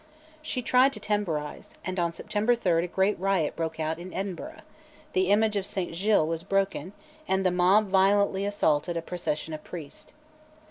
She tried to temporise, and on September 3 a great riot broke out in Edinburgh, the image of St Giles was broken, and the mob violently assaulted a procession of priests.